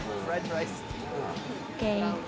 ＯＫ。